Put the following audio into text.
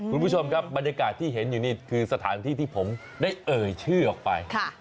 คุณผู้ชมครับบรรยากาศที่เห็นอยู่นี่คือสถานที่ที่ผมได้เอ่ยชื่อออกไป